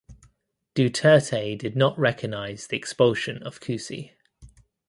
Duterte did not recognize the expulsion of Cusi.